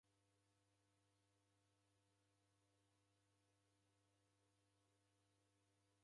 Kuzighane w'andu wi'kaiagha kavui na oho